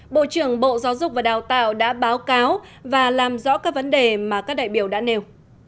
bộ trưởng bộ giáo dục và đào tạo đã báo cáo và làm rõ các vấn đề mà các đại biểu đã nêu